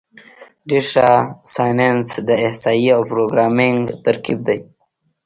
ډیټا سایننس د احصایې او پروګرامینګ ترکیب دی.